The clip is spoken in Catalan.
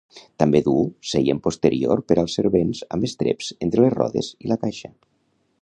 També duu seient posterior per als servents amb estreps entre les rodes i la caixa.